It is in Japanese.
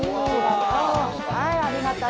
はいありがとう。